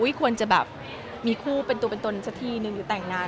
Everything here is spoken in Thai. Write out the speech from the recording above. ควรจะแบบมีคู่เป็นตัวเป็นตนสักทีนึงหรือแต่งงาน